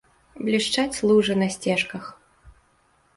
Блішчаць лужы на сцежках.